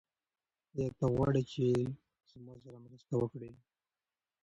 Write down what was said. ایا ته غواړې چې زما سره مرسته وکړې؟